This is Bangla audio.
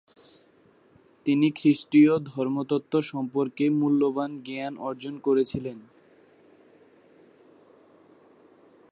তিনি খ্রিস্টীয় ধর্মতত্ত্ব সম্পর্কে মূল্যবান জ্ঞান অর্জন করেছিলেন।